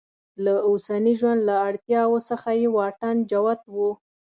له اوسني ژوند له اړتیاوو څخه یې واټن جوت و.